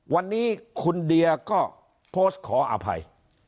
วันนี้คุณเดียก็โพสต์ขออภัย